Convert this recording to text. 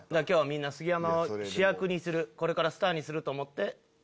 今日はみんな杉山を主役にするこれからスターにすると思って。